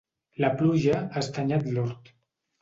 La pluja ha estanyat l'hort.